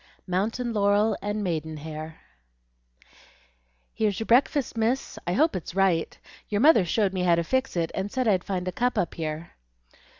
MOUNTAIN LAUREL AND MAIDEN HAIR "Here's your breakfast, miss. I hope it's right. Your mother showed me how to fix it, and said I'd find a cup up here."